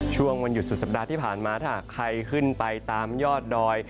ช่วงวันหยุดสุดสัปดาห์ที่ผ่านมาถ้าใครขึ้นไปตามยอดดอย